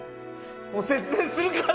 もう節電するから！